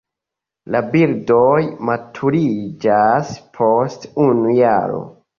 La birdoj maturiĝas post unu jaro.